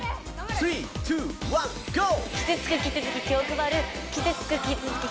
３２１ＧＯ！